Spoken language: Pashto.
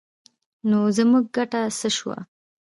نو زموږ ګټه څه شوه؟